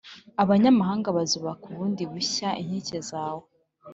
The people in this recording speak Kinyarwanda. abanyamahanga bazubaka bundi bushya inkike zawe,